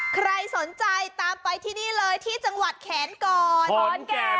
ใครสนใจตามไปที่นี่เลยที่จังหวัดแขนก่อนขอนแก่น